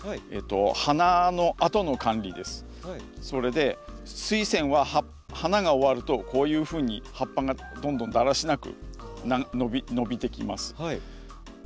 それでスイセンは花が終わるとこういうふうに葉っぱがどんどんだらしなく伸びてきます。